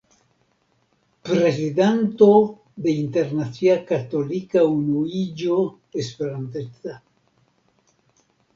Prezidanto de Internacia Katolika Unuiĝo Esperantista.